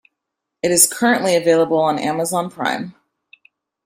It is currently available on Amazon Prime.